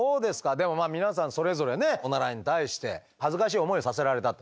でもまあ皆さんそれぞれねオナラに対して恥ずかしい思いをさせられたと。